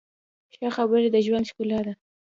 ښه خبرې د ژوند ښکلا ده.